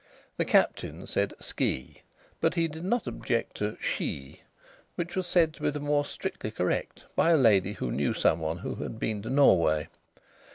The Captain said "skee," but he did not object to "shee," which was said to be the more strictly correct by a lady who knew some one who had been to Norway.